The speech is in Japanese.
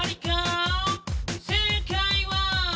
「正解は」